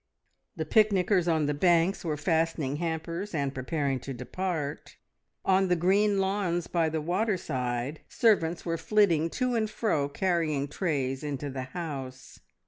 The picnickers on the banks were fastening hampers and preparing to depart; on the green lawns by the waterside servants were flitting to and fro carrying trays into the house.